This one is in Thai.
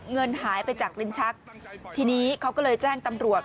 เงินหายไปจากลิ้นชักทีนี้เขาก็เลยแจ้งตำรวจ